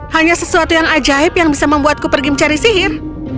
hanya sesuatu yang ajaib yang bisa membuatku pergi mencari sihir